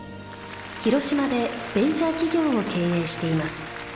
広島でベンチャー企業を経営しています。